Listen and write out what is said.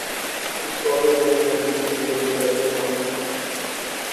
اِس کو آگے بیان کرنا چونکہ بڑی ذمہ داری کا کام تھا